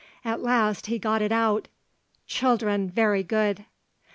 At last he got it out: 'Children very good.'